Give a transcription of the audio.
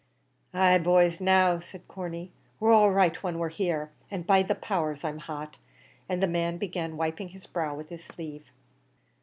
"Asy boys, now," said Corney; "we're all right when we're here; an', by the powers! I'm hot," and the man began wiping his brow with his sleeve.